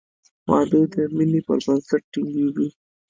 • واده د مینې پر بنسټ ټینګېږي.